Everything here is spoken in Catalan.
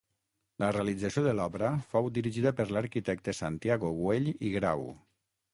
La realització de l'obra fou dirigida per l'arquitecte Santiago Güell i Grau.